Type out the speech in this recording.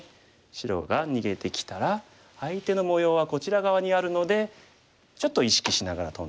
白が逃げてきたら相手の模様はこちら側にあるのでちょっと意識しながらトンでいく。